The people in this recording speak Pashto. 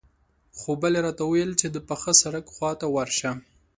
خو بلې راته وويل چې د پاخه سړک خواته ورشه.